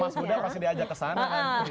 mas buda pasti diajak ke sana